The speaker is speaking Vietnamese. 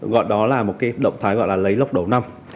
gọi đó là một động thái gọi là lấy lốc đầu năm